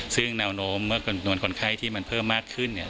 ซึ่งแนวโน้มเมื่อนวณคนไข้ที่มันเพิ่มมากขึ้นเนี่ย